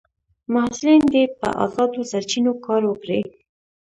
محصلین دي په ازادو سرچینو کار وکړي.